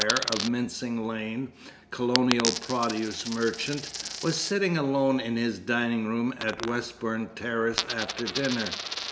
(of Mincing Lane, Colonial Produce Merchant), was sitting alone in his dining room at Westbourne Terrace after dinner.